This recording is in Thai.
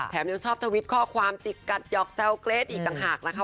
ยังชอบทวิตข้อความจิกกัดหยอกแซวเกรทอีกต่างหากนะคะ